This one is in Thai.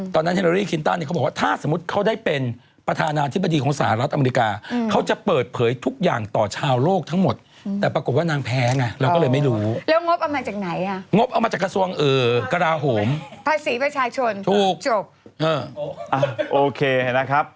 เพราะว่าเมื่อวันที่๒๐ธันวาคมนะคะสุปราอันดับต้นของวงการนะคะ